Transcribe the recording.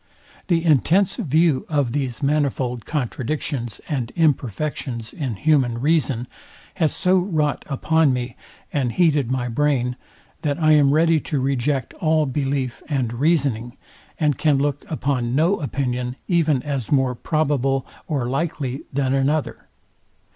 The intense view of these manifold contradictions and imperfections in human reason has so wrought upon me, and heated my brain, that I am ready to reject all belief and reasoning, and can look upon no opinion even as more probable or likely than another.